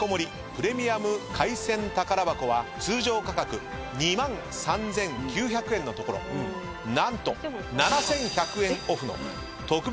プレミアム海鮮宝箱は通常価格２万３，９００円のところ何と７，１００円オフの特別価格税込み１万６，８００円です。